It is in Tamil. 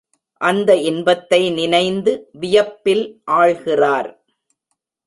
அந்த இன்பத்தை நினைந்து வியப்பில் ஆழ்கிறார்.